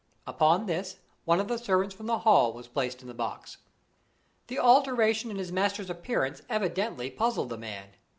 Upon this, one of the servants from the Hall was placed in the box. The alteration in his master's appearance evidently puzzled the man.